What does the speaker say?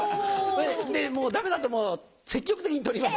でもうダメだともう積極的に取ります。